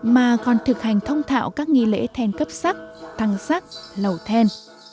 mà còn thực hành thông thạo các nghi lễ then cấp sắc thăng sắc lầu then